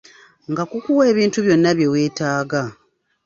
Nga kukuwa ebintu byonna bye weetaaga.